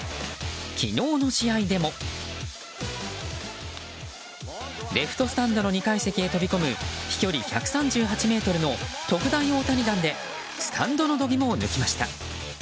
昨日の試合でもレフトスタンドの２階席へ飛び込む飛距離１３８ｍの特大大谷弾でスタンドの度肝を抜きました。